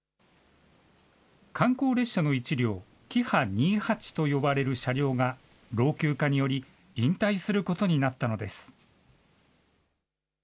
観光列車の１両、キハ２８と呼ばれる車両が、老朽化により引退することになったのです。